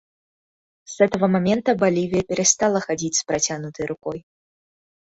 С этого момента Боливия перестала ходить с протянутой рукой.